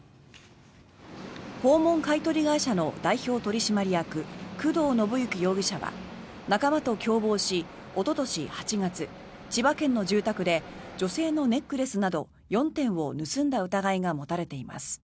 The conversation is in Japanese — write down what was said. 訪問買い取り会社の代表取締役工藤伸之容疑者は仲間と共謀し、おととし８月千葉県の住宅で女性のネックレスなど４点を盗んだ疑いが持たれています。